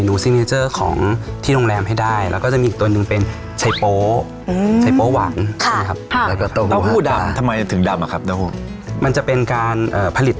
น้ำของผะโลครับก็จะเข้าไปในเนื้อเต้าหู้